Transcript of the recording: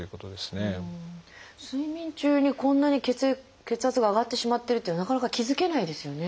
睡眠中にこんなに血圧が上がってしまってるっていうのはなかなか気付けないですよね。